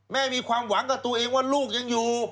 มีความหวังกับตัวเองว่าลูกยังอยู่